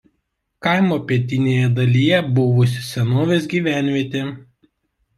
Kaimo pietinėje dalyje buvusi senovės gyvenvietė.